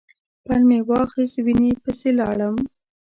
پل مې واخیست وینې پسې لاړم.